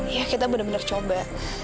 ya kita bener bener coba